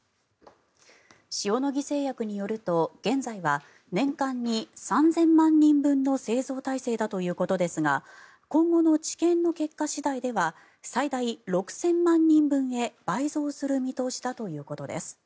塩野義製薬によると現在は年間に３０００万人分の製造体制だということですが今後の治験の結果次第では最大６０００万人分へ倍増する見通しだということです。